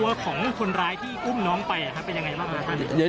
ของคนร้ายที่อุ้มน้องไปเป็นยังไงบ้างครับ